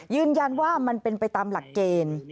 ยืนยันว่ามันเป็นไปตามหลักเกณฑ์